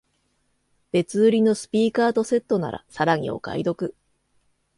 別売りのスピーカーとセットならさらにお買い得